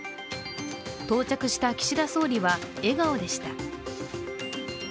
到着した岸田総理は笑顔でした。